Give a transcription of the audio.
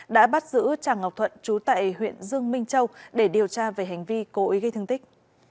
đã bắt giữ tràng ngọc thuận trú tại huyện dương minh châu để điều tra về hành vi cố ý gây thương tích